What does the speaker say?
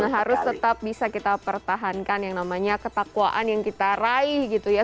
harus tetap bisa kita pertahankan yang namanya ketakwaan yang kita raih gitu ya